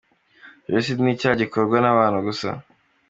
Jenoside ni icyaha gikorwa n’abantu gusa.